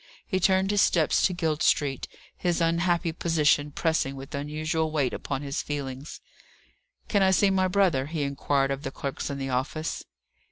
He turned his steps to Guild Street, his unhappy position pressing with unusual weight upon his feelings. "Can I see my brother?" he inquired of the clerks in the office.